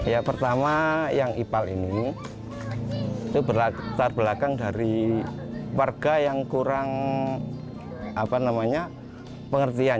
ya pertama yang ipal ini itu berlatar belakang dari warga yang kurang pengertian